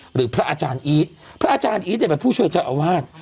หรือพระอาจารย์อีทพระอาจารย์อีทเนี่ยเป็นผู้ช่วยเจ้าอาวาส